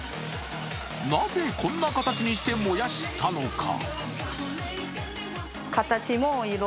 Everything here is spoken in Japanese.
なぜこんな形にして燃やしたのか。